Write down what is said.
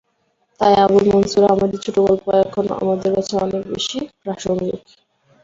তাই আবুল মনসুর আহমদের ছোটগল্প এখন আমাদের কাছে অনেক বেশি প্রাসঙ্গিক।